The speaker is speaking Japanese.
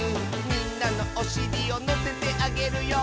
「みんなのおしりをのせてあげるよ」